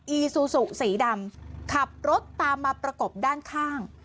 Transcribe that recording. อีซูซูสีดำขับรถตามมาประกบด้านข้าง